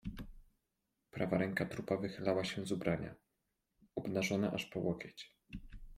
"Prawa ręka trupa wychylała się z ubrania, obnażona aż po łokieć."